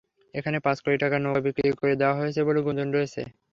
এখানে পাঁচ কোটি টাকায় নৌকা বিক্রি করে দেওয়া হয়েছে বলে গুঞ্জন রয়েছে।